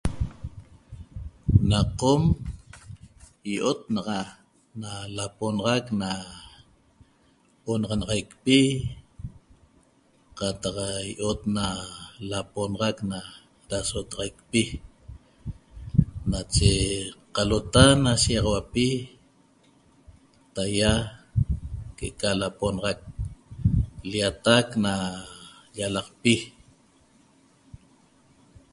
Na Qom i'ot naxa na laponaxac na onaxanaxaicpi qataq i'ot na laponaxac na dasotaxaicpi nache qalota na shiýaxauapi taýa que'eca laponaxac lýatac na llalaqpi